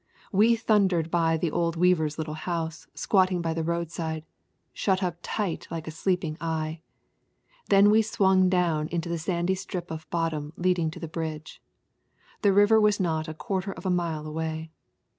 We thundered by the old weaver's little house squatting by the roadside, shut up tight like a sleeping eye. Then we swung down into the sandy strip of bottom leading to the bridge. The river was not a quarter of a mile away.